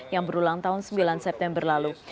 yang berulang tahun sembilan september lalu